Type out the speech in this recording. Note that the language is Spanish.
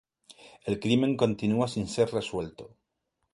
El crimen continua sin ser resuelto.